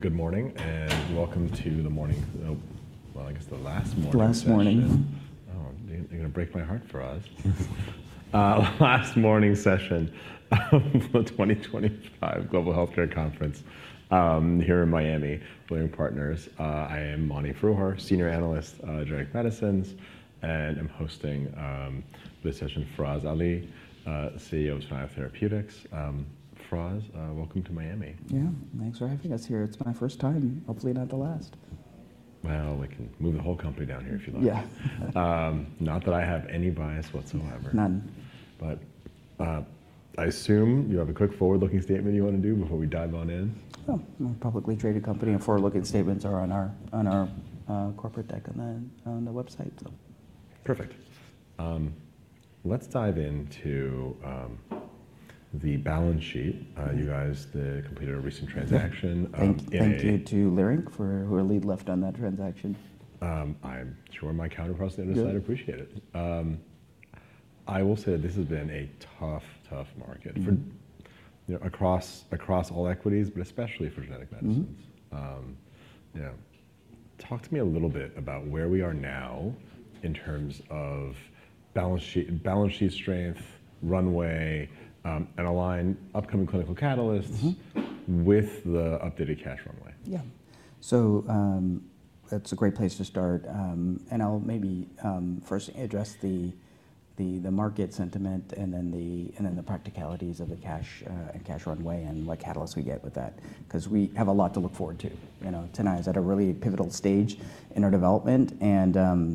Good morning and welcome to the morning, well, I guess the last morning session. Last morning. Oh, you're going to break my heart, Faraz. Last morning session of the 2025 Global Healthcare Conference here in Miami, Leerink Partners. I am Mani Foroohar, Senior Analyst at Genetic Medicines, and I'm hosting this session. Faraz Ali, CEO of Tenaya Therapeutics. Faraz, welcome to Miami. Yeah, thanks for having us here. It's my first time, hopefully not the last. We can move the whole company down here if you like. Yeah. Not that I have any bias whatsoever. None. I assume you have a quick forward-looking statement you want to do before we dive on in. Oh, we're a publicly traded company and forward-looking statements are on our corporate deck and then on the website. Perfect. Let's dive into the balance sheet. You guys completed a recent transaction. Thank you to Leerink for who our lead on that transaction. I'm sure my counterparts on the other side appreciate it. I will say that this has been a tough, tough market across all equities, but especially for genetic medicines. Talk to me a little bit about where we are now in terms of balance sheet strength, runway, and align upcoming clinical catalysts with the updated cash runway. Yeah. That is a great place to start. I will maybe first address the market sentiment and then the practicalities of the cash and cash runway and what catalysts we get with that, because we have a lot to look forward to. Tenaya is at a really pivotal stage in our development, and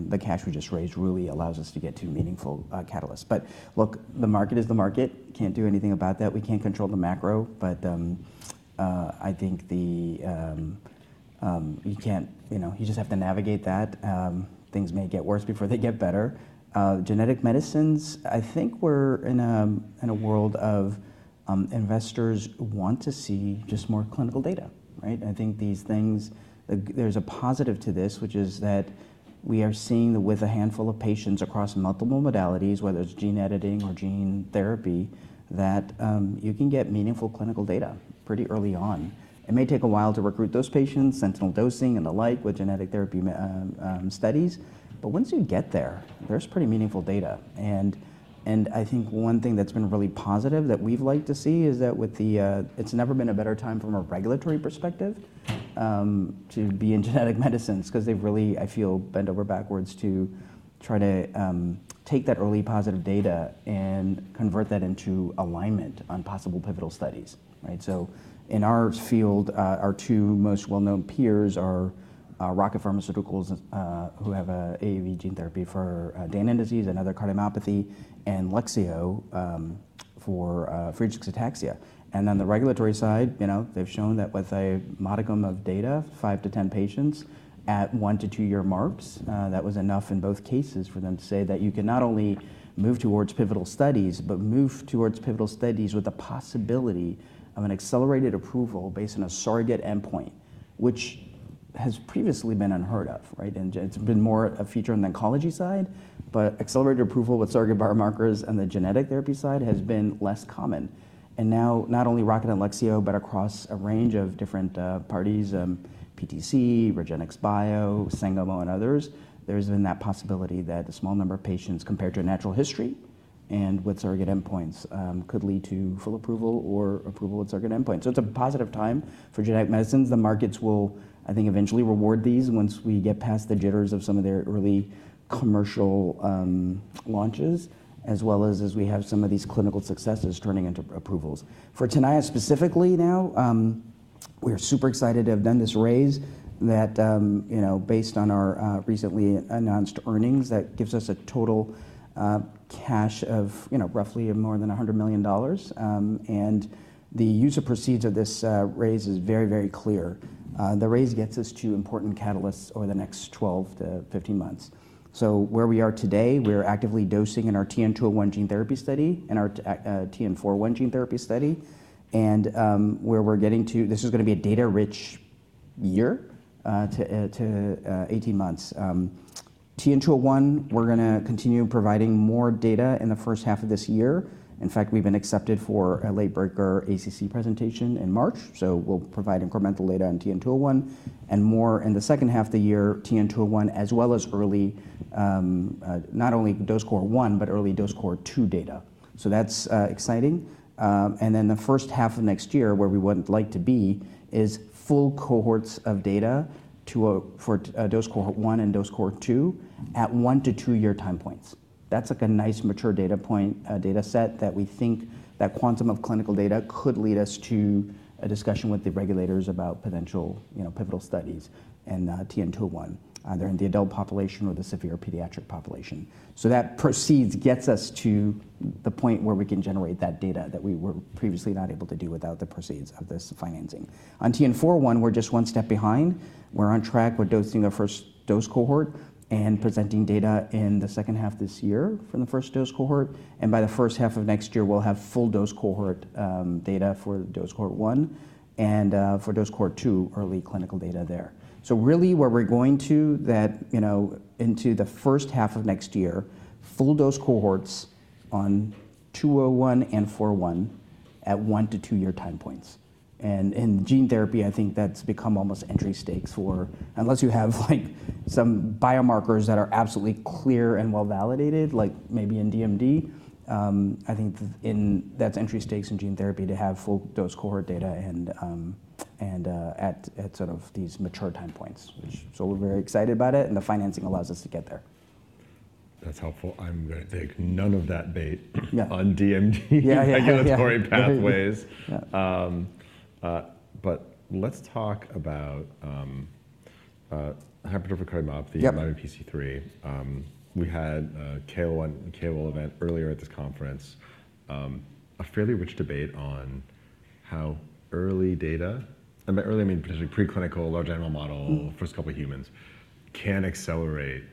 the cash we just raised really allows us to get to meaningful catalysts. Look, the market is the market. Cannot do anything about that. We cannot control the macro, but I think you just have to navigate that. Things may get worse before they get better. Genetic medicines, I think we are in a world of investors want to see just more clinical data. I think there's a positive to this, which is that we are seeing that with a handful of patients across multiple modalities, whether it's gene editing or gene therapy, that you can get meaningful clinical data pretty early on. It may take a while to recruit those patients, sentinel dosing and the like with genetic therapy studies, but once you get there, there's pretty meaningful data. I think one thing that's been really positive that we've liked to see is that it's never been a better time from a regulatory perspective to be in genetic medicines, because they've really, I feel, bent over backwards to try to take that early positive data and convert that into alignment on possible pivotal studies. In our field, our two most well-known peers are Rocket Pharmaceuticals, who have AAV gene therapy for Danon disease and other cardiomyopathy, and Lexeo for Friedreich's ataxia. On the regulatory side, they've shown that with a modicum of data, 5-10 patients at 1-2 year marks, that was enough in both cases for them to say that you can not only move towards pivotal studies, but move towards pivotal studies with the possibility of an accelerated approval based on a surrogate endpoint, which has previously been unheard of. It has been more a feature on the oncology side, but accelerated approval with surrogate biomarkers on the genetic therapy side has been less common. Now, not only Rocket and Lexeo, but across a range of different parties, PTC, REGENXBIO, Sangamo, and others, there has been that possibility that a small number of patients, compared to a natural history and with surrogate endpoints, could lead to full approval or approval with surrogate endpoints. It is a positive time for genetic medicines. The markets will, I think, eventually reward these once we get past the jitters of some of their early commercial launches, as well as as we have some of these clinical successes turning into approvals. For Tenaya specifically now, we are super excited to have done this raise that, based on our recently announced earnings, that gives us a total cash of roughly more than $100 million. The use of proceeds of this raise is very, very clear. The raise gets us to important catalysts over the next 12-15 months. Where we are today, we're actively dosing in our TN-201 gene therapy study and our TN-401 gene therapy study. Where we're getting to, this is going to be a data-rich year to 18 months. TN-201, we're going to continue providing more data in the first half of this year. In fact, we've been accepted for a late-breaker ACC presentation in March. We will provide incremental data on TN-201 and more in the second half of the year, TN-201, as well as not only dose cohort one, but early dose cohort two data. That is exciting. In the first half of next year, where we would like to be, is full cohorts of data for dose cohort one and dose cohort two at one to two year time points. That is a nice mature data point data set that we think that quantum of clinical data could lead us to a discussion with the regulators about potential pivotal studies in TN-201, either in the adult population or the severe pediatric population. That proceeds gets us to the point where we can generate that data that we were previously not able to do without the proceeds of this financing. On TN-401, we're just one step behind. We're on track with dosing our first dose cohort and presenting data in the second half of this year from the first dose cohort. By the first half of next year, we'll have full dose cohort data for dose cohort one and for dose cohort two, early clinical data there. Really where we're going to, into the first half of next year, full dose cohorts on TN-201 and TN-401 at 1-2-year time points. In gene therapy, I think that's become almost entry stakes for unless you have some biomarkers that are absolutely clear and well validated, like maybe in DMD, I think that's entry stakes in gene therapy to have full dose cohort data at sort of these mature time points. We're very excited about it, and the financing allows us to get there. That's helpful. I'm going to take none of that bait on DMD regulatory pathways. Let's talk about hypertrophic cardiomyopathy, MYBPC3. We had a KOL event earlier at this conference, a fairly rich debate on how early data—and by early, I mean potentially preclinical large animal model, first couple of humans—can accelerate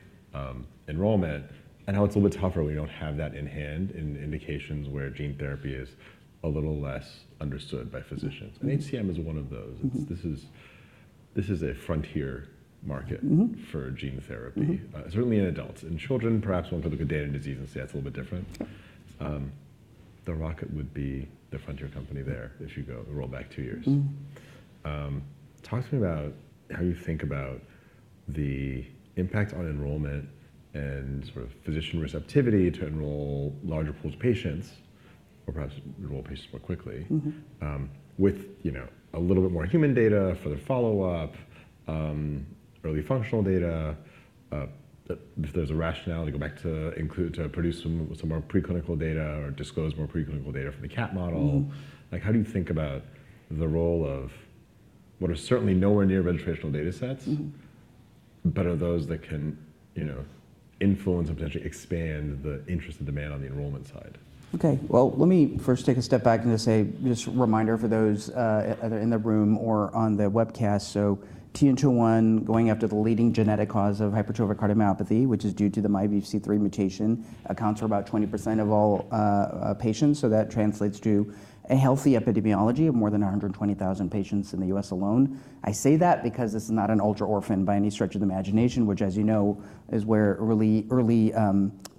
enrollment and how it's a little bit tougher when you don't have that in hand in indications where gene therapy is a little less understood by physicians. HCM is one of those. This is a frontier market for gene therapy, certainly in adults. In children, perhaps one could look at Danon disease and say that's a little bit different. Rocket would be the frontier company there if you go roll back two years. Talk to me about how you think about the impact on enrollment and sort of physician receptivity to enroll larger pools of patients, or perhaps enroll patients more quickly, with a little bit more human data for the follow-up, early functional data. If there's a rationale to go back to produce some more preclinical data or disclose more preclinical data from the cat model, how do you think about the role of what are certainly nowhere near registrational data sets, but are those that can influence and potentially expand the interest and demand on the enrollment side? Okay. Let me first take a step back and just say, just a reminder for those either in the room or on the webcast. TN-201, going after the leading genetic cause of hypertrophic cardiomyopathy, which is due to the MYBPC3 mutation, accounts for about 20% of all patients. That translates to a healthy epidemiology of more than 120,000 patients in the US alone. I say that because this is not an ultra-orphan by any stretch of the imagination, which, as you know, is where early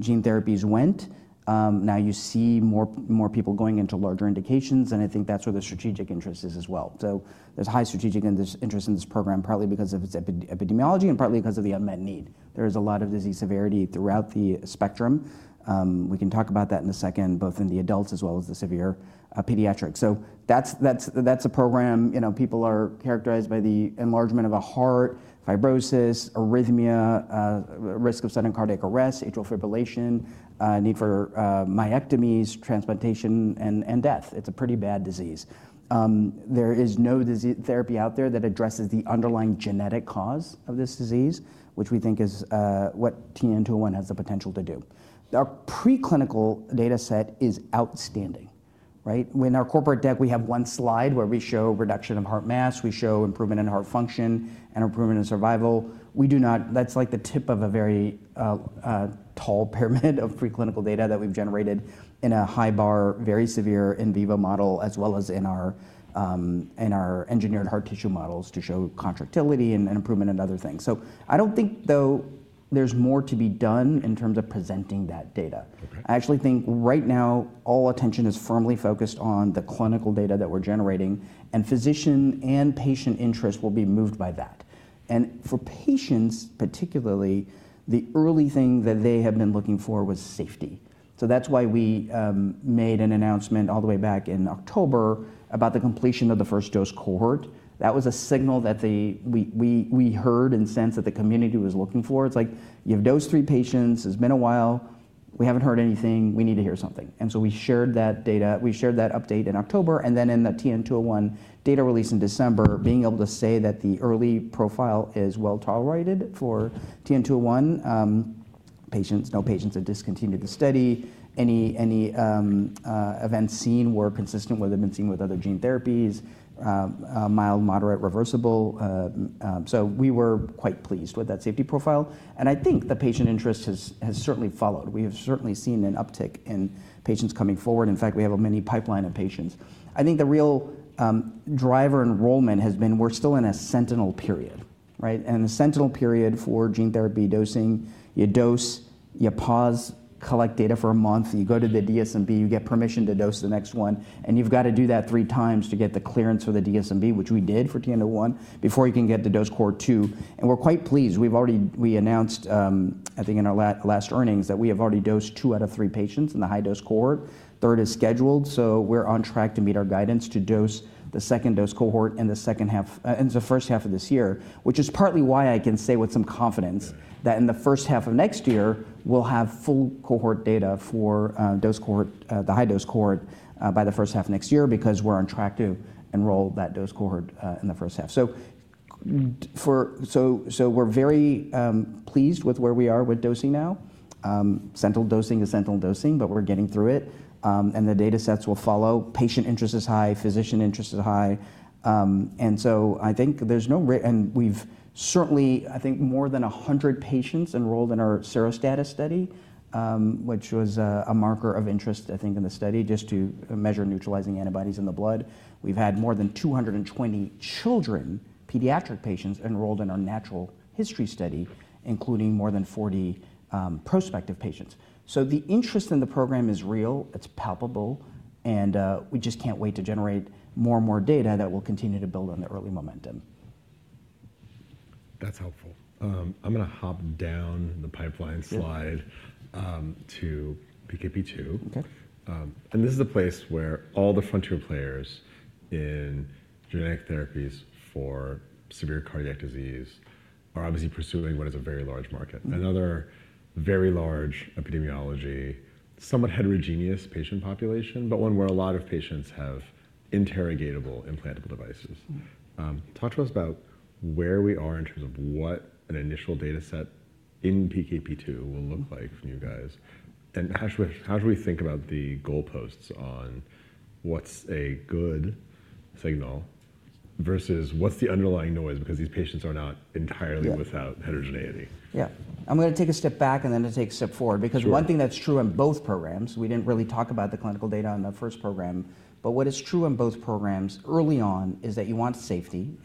gene therapies went. Now you see more people going into larger indications, and I think that's where the strategic interest is as well. There is high strategic interest in this program, partly because of its epidemiology and partly because of the unmet need. There is a lot of disease severity throughout the spectrum. We can talk about that in a second, both in the adults as well as the severe pediatrics. That is a program people are characterized by the enlargement of a heart, fibrosis, arrhythmia, risk of sudden cardiac arrest, atrial fibrillation, need for myectomies, transplantation, and death. It is a pretty bad disease. There is no therapy out there that addresses the underlying genetic cause of this disease, which we think is what TN-201 has the potential to do. Our preclinical data set is outstanding. In our corporate deck, we have one slide where we show reduction of heart mass, we show improvement in heart function, and improvement in survival. That is like the tip of a very tall pyramid of preclinical data that we have generated in a high bar, very severe in vivo model, as well as in our engineered heart tissue models to show contractility and improvement in other things. I do not think, though, there is more to be done in terms of presenting that data. I actually think right now all attention is firmly focused on the clinical data that we are generating, and physician and patient interest will be moved by that. For patients, particularly, the early thing that they have been looking for was safety. That is why we made an announcement all the way back in October about the completion of the first dose cohort. That was a signal that we heard and sensed that the community was looking for. It is like, you have dosed three patients, it has been a while, we have not heard anything, we need to hear something. We shared that data, we shared that update in October, and then in the TN-201 data release in December, being able to say that the early profile is well tolerated for TN-201 patients, no patients had discontinued the study, any events seen were consistent with what has been seen with other gene therapies, mild, moderate, reversible. We were quite pleased with that safety profile. I think the patient interest has certainly followed. We have certainly seen an uptick in patients coming forward. In fact, we have a mini pipeline of patients. I think the real driver of enrollment has been we're still in a sentinel period. The sentinel period for gene therapy dosing, you dose, you pause, collect data for a month, you go to the DSMB, you get permission to dose the next one, and you've got to do that three times to get the clearance for the DSMB, which we did for TN-201 before you can get the dose cohort two. We're quite pleased. We announced, I think in our last earnings, that we have already dosed two out of three patients in the high dose cohort. Third is scheduled. We're on track to meet our guidance to dose the second dose cohort in the second half and the first half of this year, which is partly why I can say with some confidence that in the first half of next year, we'll have full cohort data for the high dose cohort by the first half of next year because we're on track to enroll that dose cohort in the first half. We're very pleased with where we are with dosing now. Sentinel dosing is sentinel dosing, but we're getting through it. The data sets will follow. Patient interest is high. Physician interest is high. I think there's no risk. We've certainly, I think, more than 100 patients enrolled in our serostatus study, which was a marker of interest, I think, in the study just to measure neutralizing antibodies in the blood. We've had more than 220 children, pediatric patients, enrolled in our natural history study, including more than 40 prospective patients. The interest in the program is real. It's palpable. We just can't wait to generate more and more data that will continue to build on the early momentum. That's helpful. I'm going to hop down the pipeline slide to PKP2. This is a place where all the frontier players in genetic therapies for severe cardiac disease are obviously pursuing what is a very large market. Another very large epidemiology, somewhat heterogeneous patient population, but one where a lot of patients have interrogatable implantable devices. Talk to us about where we are in terms of what an initial data set in PKP2 will look like for you guys. How should we think about the goalposts on what's a good signal versus what's the underlying noise because these patients are not entirely without heterogeneity? Yeah. I'm going to take a step back and then to take a step forward because one thing that's true in both programs, we didn't really talk about the clinical data on the first program, but what is true in both programs early on is that you want safety.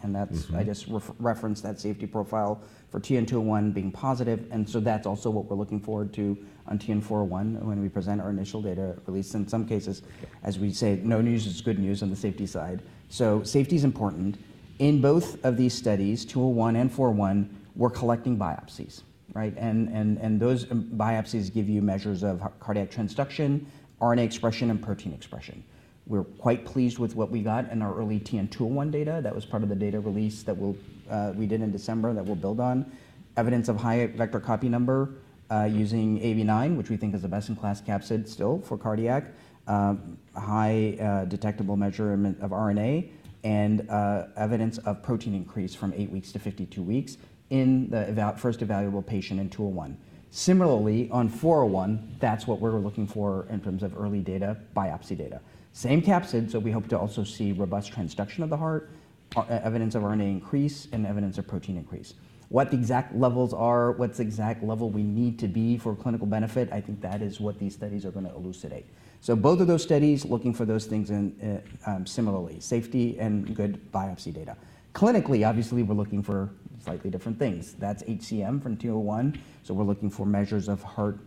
I just referenced that safety profile for TN-201 being positive. That's also what we're looking forward to on TN-401 when we present our initial data release. In some cases, as we say, no news is good news on the safety side. Safety is important. In both of these studies, 201 and 401, we're collecting biopsies. Those biopsies give you measures of cardiac transduction, RNA expression, and protein expression. We're quite pleased with what we got in our early TN-201 data that was part of the data release that we did in December that we'll build on. Evidence of high vector copy number using AAV9, which we think is a best-in-class capsid still for cardiac, high detectable measurement of RNA, and evidence of protein increase from 8 weeks-52 in the first evaluable patient in 201. Similarly, on 401, that's what we're looking for in terms of early data biopsy data. Same capsid, so we hope to also see robust transduction of the heart, evidence of RNA increase, and evidence of protein increase. What the exact levels are, what's the exact level we need to be for clinical benefit, I think that is what these studies are going to elucidate. Both of those studies are looking for those things similarly, safety and good biopsy data. Clinically, obviously, we're looking for slightly different things. That's HCM from 201. We're looking for measures of heart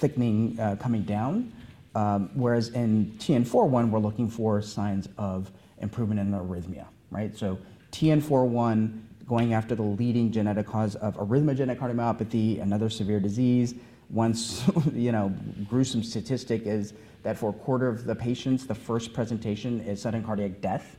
thickening coming down. Whereas in TN-401, we're looking for signs of improvement in arrhythmia. TN-401 is going after the leading genetic cause of arrhythmogenic cardiomyopathy, another severe disease. One gruesome statistic is that for a quarter of the patients, the first presentation is sudden cardiac death.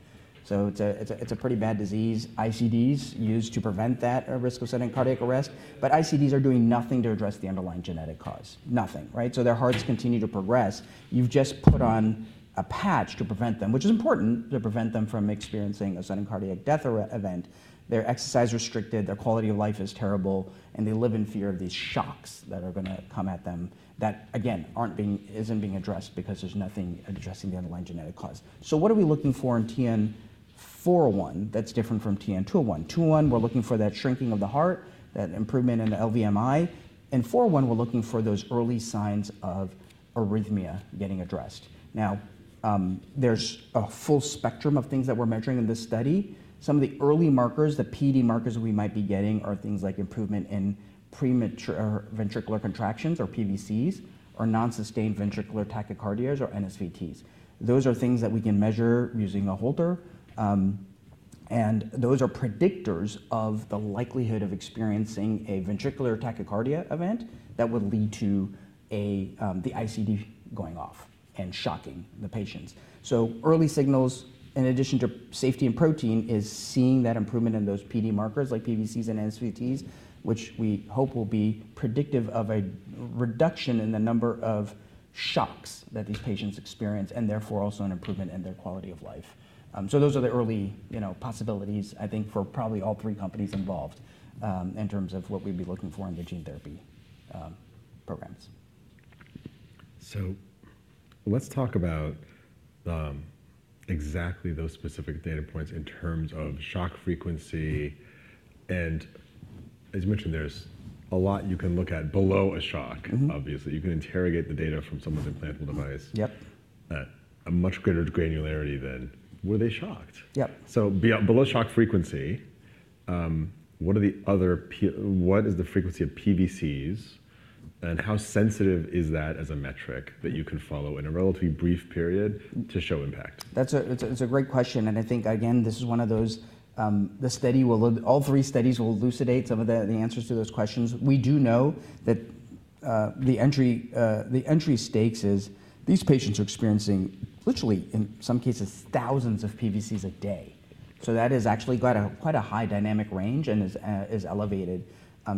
It is a pretty bad disease. ICDs are used to prevent that risk of sudden cardiac arrest. ICDs are doing nothing to address the underlying genetic cause. Nothing. Their hearts continue to progress. You've just put on a patch to prevent them, which is important to prevent them from experiencing a sudden cardiac death event. They're exercise restricted. Their quality of life is terrible. They live in fear of these shocks that are going to come at them that, again, isn't being addressed because there's nothing addressing the underlying genetic cause. What are we looking for in TN-401 that's different from TN-201? 201, we're looking for that shrinking of the heart, that improvement in the LVMI. In 401, we're looking for those early signs of arrhythmia getting addressed. Now, there's a full spectrum of things that we're measuring in this study. Some of the early markers, the PD markers we might be getting are things like improvement in premature ventricular contractions or PVCs or non-sustained ventricular tachycardias or NSVTs. Those are things that we can measure using a Holter. Those are predictors of the likelihood of experiencing a ventricular tachycardia event that would lead to the ICD going off and shocking the patients. Early signals, in addition to safety and protein, is seeing that improvement in those PD markers like PVCs and NSVTs, which we hope will be predictive of a reduction in the number of shocks that these patients experience and therefore also an improvement in their quality of life. Those are the early possibilities, I think, for probably all three companies involved in terms of what we'd be looking for in the gene therapy programs. Let's talk about exactly those specific data points in terms of shock frequency. As you mentioned, there's a lot you can look at below a shock, obviously. You can interrogate the data from someone's implantable device at a much greater granularity than were they shocked. Below shock frequency, what is the frequency of PVCs? How sensitive is that as a metric that you can follow in a relatively brief period to show impact? That's a great question. I think, again, this is one of those the study will, all three studies will elucidate some of the answers to those questions. We do know that the entry stakes is these patients are experiencing, literally, in some cases, thousands of PVCs a day. That is actually quite a high dynamic range and is elevated. I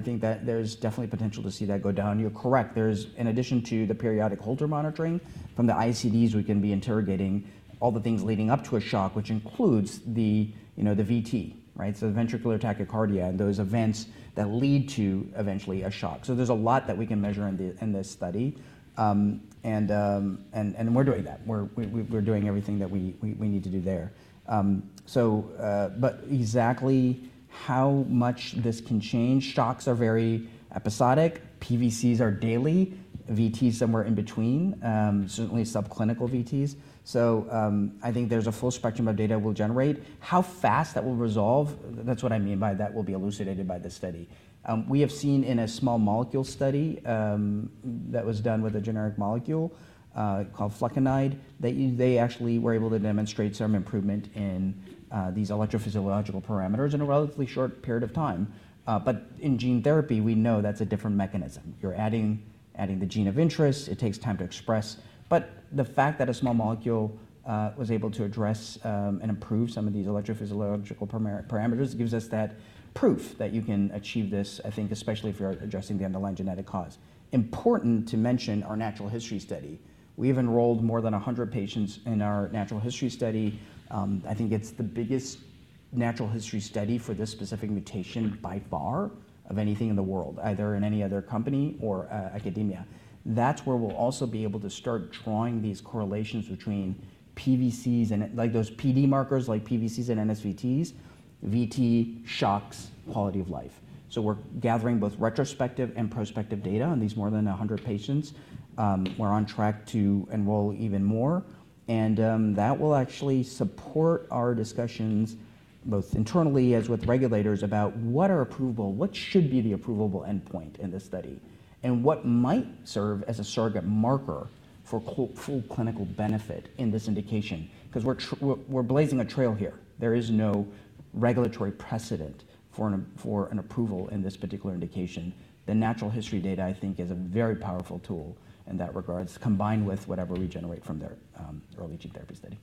think that there's definitely potential to see that go down. You're correct. In addition to the periodic Holter monitoring from the ICDs, we can be interrogating all the things leading up to a shock, which includes the VT, so the ventricular tachycardia and those events that lead to eventually a shock. There's a lot that we can measure in this study. We're doing that. We're doing everything that we need to do there. Exactly how much this can change, shocks are very episodic. PVCs are daily. VTs somewhere in between, certainly subclinical VTs. I think there's a full spectrum of data we'll generate. How fast that will resolve, that's what I mean by that will be elucidated by the study. We have seen in a small molecule study that was done with a generic molecule called flecainide that they actually were able to demonstrate some improvement in these electrophysiological parameters in a relatively short period of time. In gene therapy, we know that's a different mechanism. You're adding the gene of interest. It takes time to express. The fact that a small molecule was able to address and improve some of these electrophysiological parameters gives us that proof that you can achieve this, I think, especially if you're addressing the underlying genetic cause. Important to mention our natural history study. We have enrolled more than 100 patients in our natural history study. I think it's the biggest natural history study for this specific mutation by far of anything in the world, either in any other company or academia. That's where we'll also be able to start drawing these correlations between PVCs and those PD markers like PVCs and NSVTs, VT, shocks, quality of life. We are gathering both retrospective and prospective data on these more than 100 patients. We are on track to enroll even more. That will actually support our discussions both internally as with regulators about what our approval, what should be the approval endpoint in this study, and what might serve as a surrogate marker for full clinical benefit in this indication because we are blazing a trail here. There is no regulatory precedent for an approval in this particular indication. The natural history data, I think, is a very powerful tool in that regards, combined with whatever we generate from their early gene therapy study.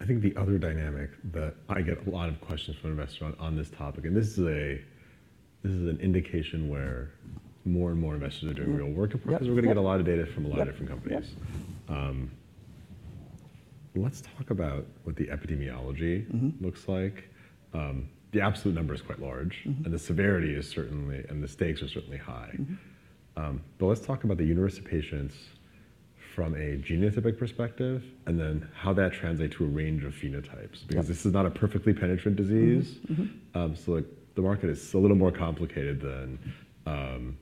I think the other dynamic that I get a lot of questions from investors on this topic, and this is an indication where more and more investors are doing real work. We're going to get a lot of data from a lot of different companies. Let's talk about what the epidemiology looks like. The absolute number is quite large. The severity is certainly, and the stakes are certainly high. Let's talk about the universe of patients from a genotypic perspective and then how that translates to a range of phenotypes because this is not a perfectly penetrant disease. The market is a little more complicated than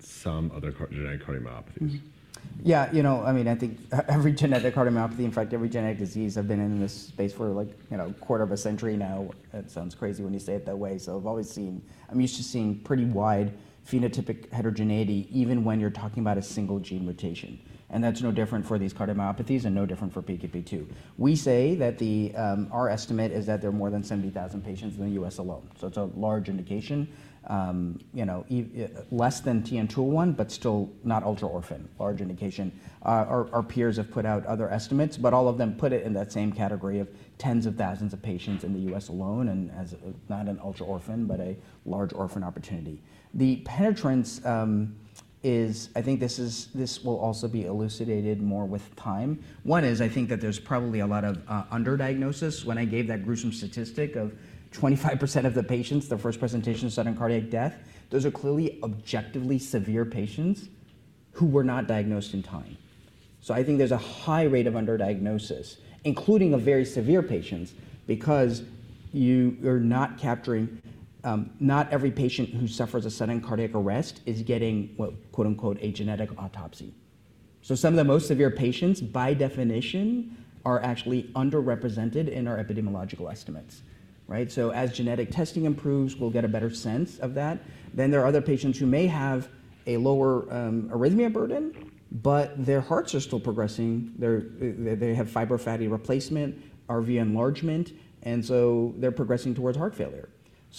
some other genetic cardiomyopathies. Yeah. You know, I mean, I think every genetic cardiomyopathy, in fact, every genetic disease, I've been in this space for a quarter of a century now. It sounds crazy when you say it that way. So I've always seen I'm used to seeing pretty wide phenotypic heterogeneity even when you're talking about a single gene mutation. And that's no different for these cardiomyopathies and no different for PKP2. We say that our estimate is that there are more than 70,000 patients in the US alone. So it's a large indication, less than TN-201, but still not ultra-orphan, large indication. Our peers have put out other estimates, but all of them put it in that same category of tens of thousands of patients in the US alone and not an ultra-orphan, but a large orphan opportunity. The penetrance is I think this will also be elucidated more with time. One is I think that there's probably a lot of underdiagnosis. When I gave that gruesome statistic of 25% of the patients, their first presentation of sudden cardiac death, those are clearly objectively severe patients who were not diagnosed in time. I think there's a high rate of underdiagnosis, including very severe patients because you are not capturing not every patient who suffers a sudden cardiac arrest is getting what "a genetic autopsy." Some of the most severe patients by definition are actually underrepresented in our epidemiological estimates. As genetic testing improves, we'll get a better sense of that. There are other patients who may have a lower arrhythmia burden, but their hearts are still progressing. They have fibro-fatty replacement, RV enlargement. They are progressing towards heart failure.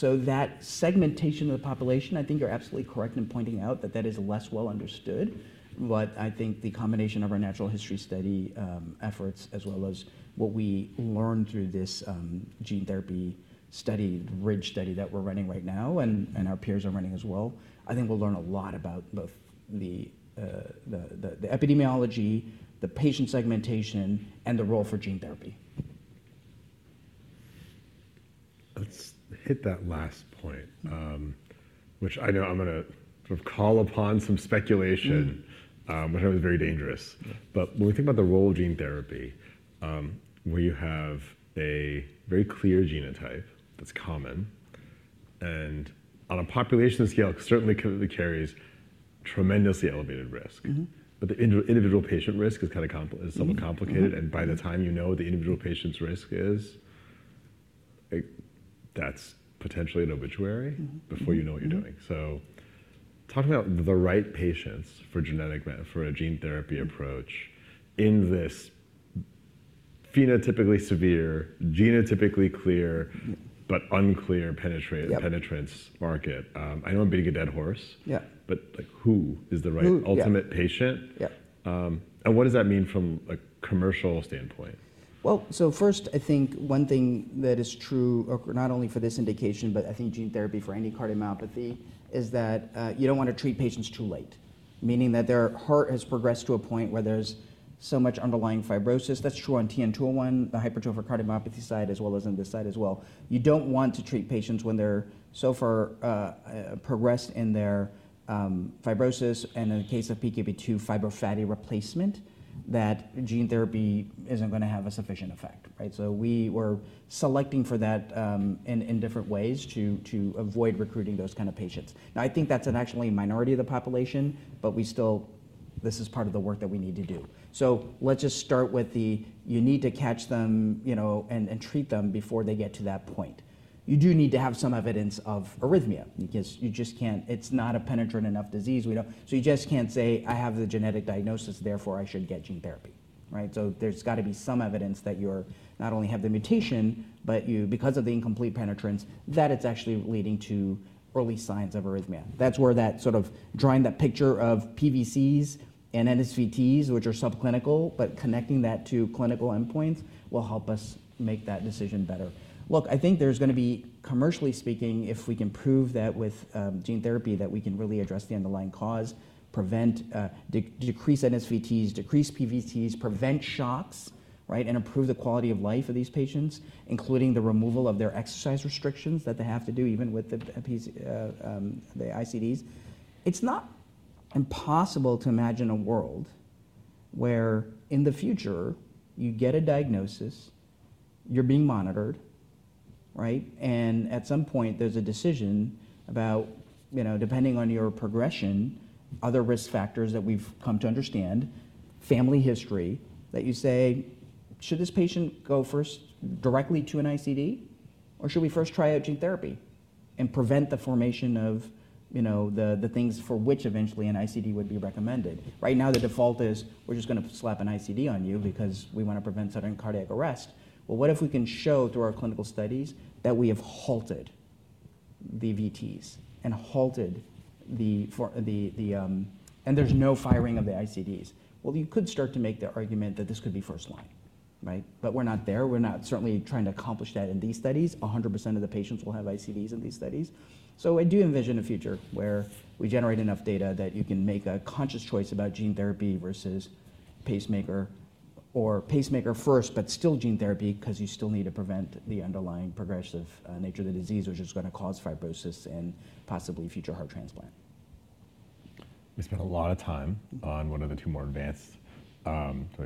That segmentation of the population, I think you're absolutely correct in pointing out that that is less well understood. I think the combination of our natural history study efforts as well as what we learned through this gene therapy study, RIDGE study that we're running right now, and our peers are running as well, I think we'll learn a lot about both the epidemiology, the patient segmentation, and the role for gene therapy. Let's hit that last point, which I know I'm going to sort of call upon some speculation, which I know is very dangerous. When we think about the role of gene therapy, where you have a very clear genotype that's common, and on a population scale, it certainly carries tremendously elevated risk. The individual patient risk is kind of somewhat complicated. By the time you know the individual patient's risk is, that's potentially an obituary before you know what you're doing. Talking about the right patients for a gene therapy approach in this phenotypically severe, genotypically clear, but unclear penetrance market, I know I'm beating a dead horse. Who is the right ultimate patient? What does that mean from a commercial standpoint? First, I think one thing that is true not only for this indication, but I think gene therapy for any cardiomyopathy is that you don't want to treat patients too late, meaning that their heart has progressed to a point where there's so much underlying fibrosis. That's true on TN-201, the hypertrophic cardiomyopathy side, as well as on this side as well. You don't want to treat patients when they're so far progressed in their fibrosis. In the case of PKP2, fibro-fatty replacement, that gene therapy isn't going to have a sufficient effect. We were selecting for that in different ways to avoid recruiting those kind of patients. I think that's actually a minority of the population, but this is part of the work that we need to do. Let's just start with the you need to catch them and treat them before they get to that point. You do need to have some evidence of arrhythmia because you just can't, it's not a penetrant enough disease. You just can't say, I have the genetic diagnosis, therefore I should get gene therapy. There's got to be some evidence that you not only have the mutation, but because of the incomplete penetrance, that it's actually leading to early signs of arrhythmia. That's where that sort of drawing that picture of PVCs and NSVTs, which are subclinical, but connecting that to clinical endpoints will help us make that decision better. Look, I think there's going to be, commercially speaking, if we can prove that with gene therapy that we can really address the underlying cause, decrease NSVTs, decrease PVCs, prevent shocks, and improve the quality of life of these patients, including the removal of their exercise restrictions that they have to do even with the ICDs. It's not impossible to imagine a world where in the future you get a diagnosis, you're being monitored, and at some point there's a decision about, depending on your progression, other risk factors that we've come to understand, family history that you say, should this patient go first directly to an ICD, or should we first try out gene therapy and prevent the formation of the things for which eventually an ICD would be recommended? Right now, the default is we're just going to slap an ICD on you because we want to prevent sudden cardiac arrest. What if we can show through our clinical studies that we have halted the VTs and halted the and there's no firing of the ICDs? You could start to make the argument that this could be first line. We're not there. We're not certainly trying to accomplish that in these studies. 100% of the patients will have ICDs in these studies. I do envision a future where we generate enough data that you can make a conscious choice about gene therapy versus pacemaker or pacemaker first, but still gene therapy because you still need to prevent the underlying progressive nature of the disease, which is going to cause fibrosis and possibly future heart transplant. We spent a lot of time on one of the two more advanced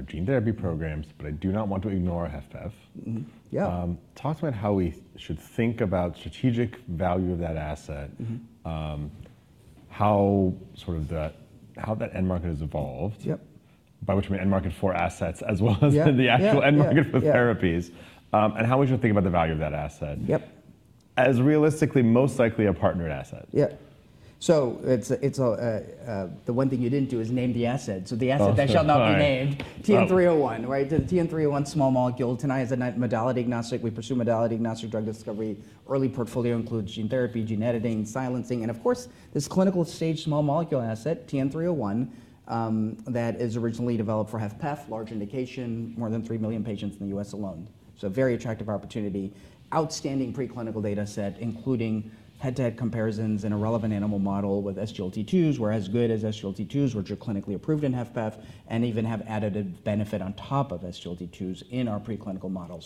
gene therapy programs, but I do not want to ignore HFpEF. Talk to me about how we should think about the strategic value of that asset, how that end market has evolved, by which we mean end market for assets as well as the actual end market for therapies, and how we should think about the value of that asset as realistically most likely a partnered asset. Yeah. The one thing you didn't do is name the asset. The asset that shall not be named, TN-301. TN-301, small molecule. Tenaya is modality agnostic. We pursue modality agnostic drug discovery. Early portfolio includes gene therapy, gene editing, silencing. Of course, this clinical stage small molecule asset, TN-301, that is originally developed for HFpEF, large indication, more than 3 million patients in the US alone. Very attractive opportunity. Outstanding preclinical data set, including head-to-head comparisons in a relevant animal model with SGLT2 inhibitors, were as good as SGLT2 inhibitors, which are clinically approved in HFpEF and even have added benefit on top of SGLT2 inhibitors in our preclinical model.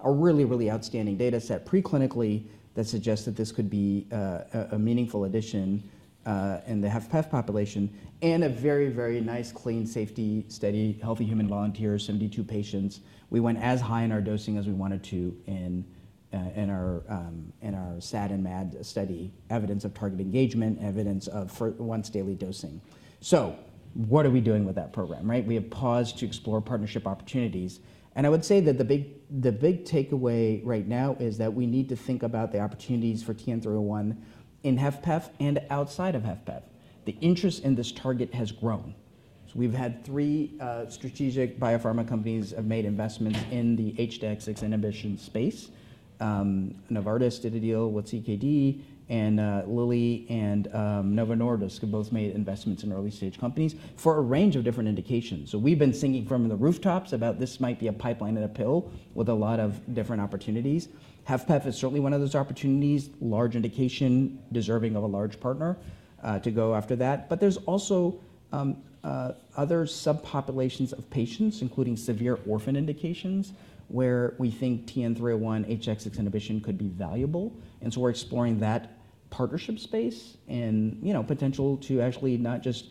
A really, really outstanding data set preclinically that suggests that this could be a meaningful addition in the HFpEF population. A very, very nice clean safety study, healthy human volunteers, 72 patients. We went as high in our dosing as we wanted to in our SAD and MAD study, evidence of target engagement, evidence of once daily dosing. What are we doing with that program? We have paused to explore partnership opportunities. I would say that the big takeaway right now is that we need to think about the opportunities for TN-301 in HFpEF and outside of HFpEF. The interest in this target has grown. We have had three strategic biopharma companies make investments in the HDAC6 inhibition space. Novartis did a deal with CKD, and Eli Lilly and Novo Nordisk have both made investments in early stage companies for a range of different indications. We have been singing from the rooftops about this might be a pipeline in a pill with a lot of different opportunities. HFrEF is certainly one of those opportunities, large indication, deserving of a large partner to go after that. There are also other subpopulations of patients, including severe orphan indications, where we think TN-301 HDAC6 inhibition could be valuable. We are exploring that partnership space and potential to actually not just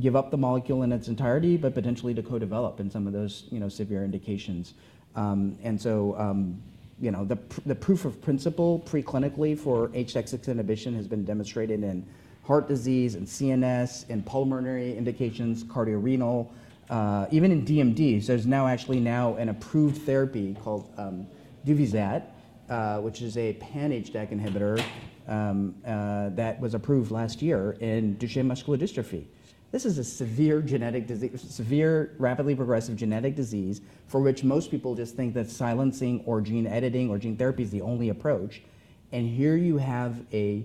give up the molecule in its entirety, but potentially to co-develop in some of those severe indications. The proof of principle preclinically for HDAC6 inhibition has been demonstrated in heart disease and CNS and pulmonary indications, cardiorenal, even in DMD. There is now actually an approved therapy called Duvyzat, which is a pan-HDAC inhibitor that was approved last year in Duchenne muscular dystrophy. This is a severe, rapidly progressive genetic disease for which most people just think that silencing or gene editing or gene therapy is the only approach. Here you have a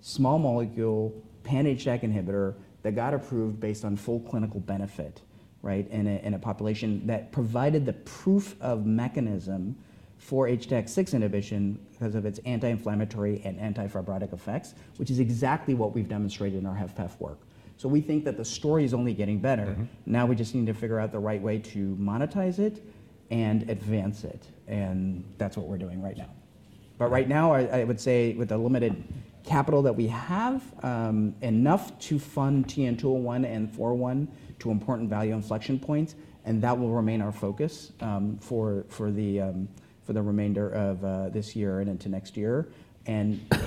small molecule pan-HDAC inhibitor that got approved based on full clinical benefit in a population that provided the proof of mechanism for HDAC6 inhibition because of its anti-inflammatory and anti-fibrotic effects, which is exactly what we've demonstrated in our HFpEF work. We think that the story is only getting better. Now we just need to figure out the right way to monetize it and advance it. That is what we're doing right now. Right now, I would say with the limited capital that we have, enough to fund TN-201 and TN-401 to important value inflection points. That will remain our focus for the remainder of this year and into next year.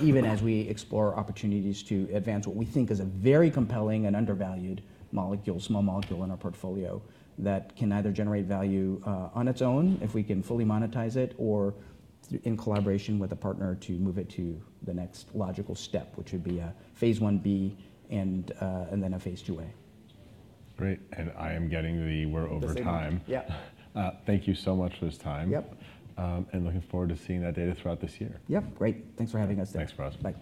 Even as we explore opportunities to advance what we think is a very compelling and undervalued small molecule in our portfolio that can either generate value on its own if we can fully monetize it or in collaboration with a partner to move it to the next logical step, which would be a phase IB and then a phase IIA. Great. I am getting the we're over time. Thank you. Thank you so much for this time. I am looking forward to seeing that data throughout this year. Yep. Great. Thanks for having us today. Thanks, Faraz. Bye.